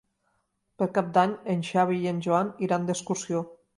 Per Cap d'Any en Xavi i en Joan iran d'excursió.